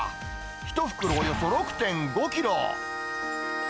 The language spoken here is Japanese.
１袋およそ６．５キロ。